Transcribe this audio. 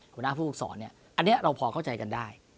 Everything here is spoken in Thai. หัวหน้าผู้ฝึกศรเนี่ยอันนี้เราพอเข้าใจกันได้